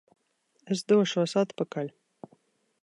Es došos atpakaļ!